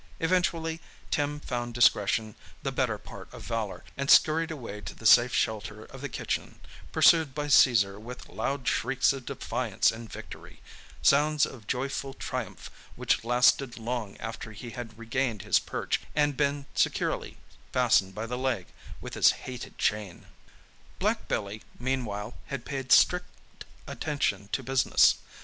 Eventually Tim found discretion the better part of valour and scurried away to the safe shelter of the kitchen, pursued by Caesar with loud shrieks of defiance and victory—sounds of joyful triumph which lasted long after he had regained his perch and been securely fastened by the leg with his hated chain. Black Billy, meanwhile, had paid strict attention to business.